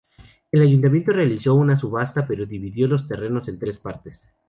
El Ayuntamiento realizó una subasta pero dividió los terrenos en tres partes.